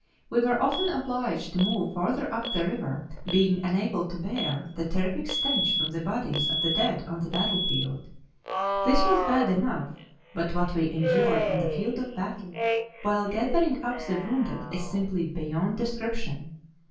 We were often obliged to move farther up the river, being unable to bear the terrific stench from the bodies of the dead on the battlefield. This was bad enough, but what we endured on the field of battle while gathering up the wounded is simply beyond description.